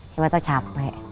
siapa tau capek